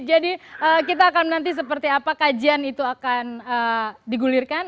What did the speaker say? jadi kita akan nanti seperti apa kajian itu akan digulirkan